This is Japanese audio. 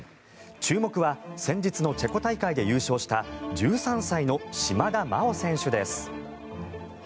注目は先日のチェコ大会で優勝した１３歳の島田麻央選手です。